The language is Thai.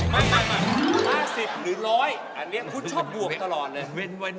๕๐หรือ๑๐๐อันนี้คุณชอบบวกตลอดเลย